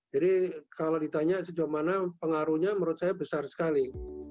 jadi kalau ditanya sejauh mana pengaruhnya menurut saya besar sekali